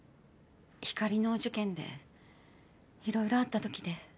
光莉のお受験でいろいろあった時で。